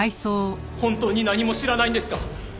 本当に何も知らないんですか？